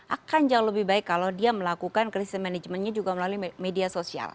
akan jauh lebih baik kalau dia melakukan krisis manajemennya juga melalui media sosial